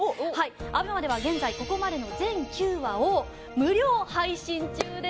ＡＢＥＭＡでは現在ここまでの全９話を無料配信中です！